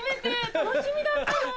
楽しみだったの。